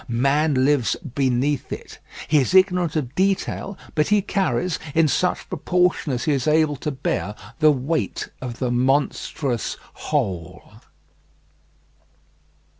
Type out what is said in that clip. Man lives beneath it. He is ignorant of detail, but he carries, in such proportion as he is able to bear, the weight of the monstrous whole.